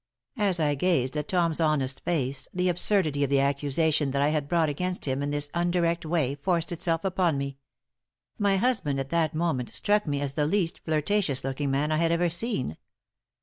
As I gazed at Tom's honest face the absurdity of the accusation that I had brought against him in this undirect way forced itself upon me. My husband at that moment struck me as the least flirtatious looking man I had ever seen.